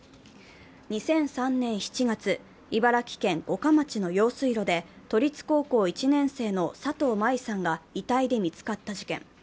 ２００３年７月、茨城県五霞町の用水路で都立高校１年生の佐藤麻衣さんが遺体で見つかった事件。